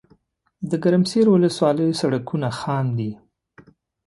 دګرمسیر ولسوالۍ سړکونه خام دي